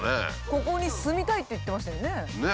「ここに住みたい」って言ってましたよね。